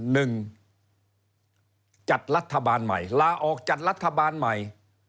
หนึ่งจัดรัฐบาลใหม่ลาออกจัดรัฐบาลใหม่